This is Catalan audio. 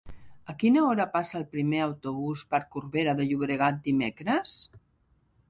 A quina hora passa el primer autobús per Corbera de Llobregat dimecres?